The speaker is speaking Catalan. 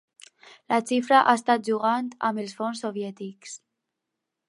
La Xifra ha estat jugant amb els fons soviètics.